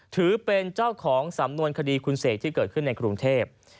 ถือเป็นเจ้าของสำนวนคดีคุณเสกที่เกิดขึ้นในกรุงเทพ